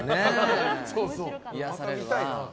また見たいな。